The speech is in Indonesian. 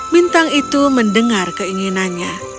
bintang itu mendengar keinginannya